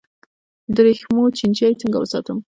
د وریښمو چینجی څنګه وساتم؟